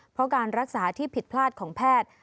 เพราะการรักษาที่ผิดพลาดของแพทย์